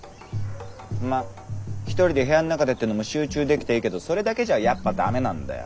まあひとりで部屋の中でってのも集中できていいけどそれだけじゃあやっぱダメなんだよ。